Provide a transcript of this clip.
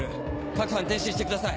各班転進してください。